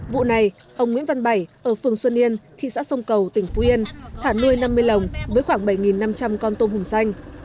vụ này ông nguyễn văn bảy ở phường xuân yên thị xã sông cầu tỉnh phú yên thả nuôi năm mươi lồng với khoảng bảy năm trăm linh con tôm hùm xanh